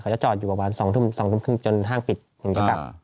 เขาจะจอดอยู่ประมาณ๒ทุ่มจนห้างปิดอย่างนี้จะจอดกลับ